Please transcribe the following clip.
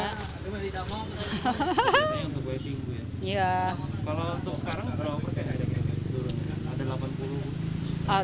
kalau untuk sekarang berapa persen